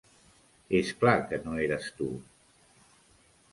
És clar que no eres tu.